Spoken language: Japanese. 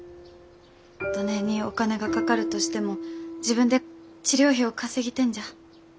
どねえにお金がかかるとしても自分で治療費を稼ぎてんじゃ。